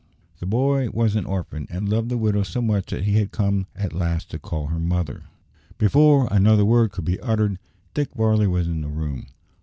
The boy was an orphan, and loved the widow so much that he had come at last to call her mother. Before another word could be uttered, Dick Varley was in the room.